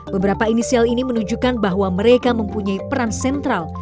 beberapa inisial ini menunjukkan bahwa mereka mempunyai peran sentral